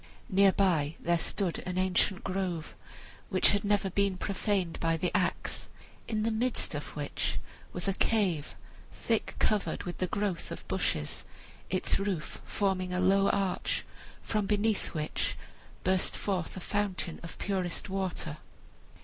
Near by there stood an ancient grove which had never been profaned by the axe, in the midst of which was a cave, thick covered with the growth of bushes, its roof forming a low arch, from beneath which burst forth a fountain of purest water.